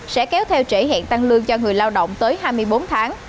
sẽ kéo theo trễ hẹn tăng lương cho người lao động tới hai mươi bốn tháng